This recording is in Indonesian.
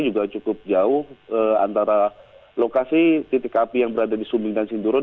juga cukup jauh antara lokasi titik api yang berada di sumbing dan sinduron